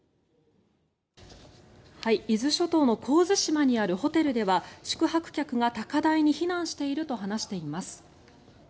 伊豆諸島の神津島にあるホテルでは宿泊客が高台に避難していると話しています。